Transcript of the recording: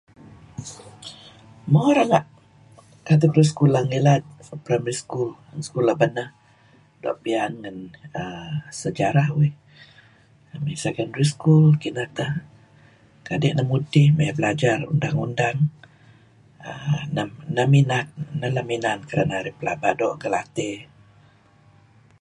Mo renga' katu keduih sekolah ngilad Primary school, sekolah beneh, doo' piyan ngen uhm sejarah neh uih. Ngi Secondary school kineh teh. Kadi' neh mudtih may belajar undang-undang. uhm neh minat, neh lem inan kedi narih pelaba doo' gelatey.